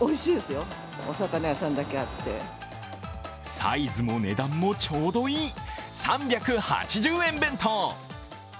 サイズも値段もちょうどいい３８０円弁当。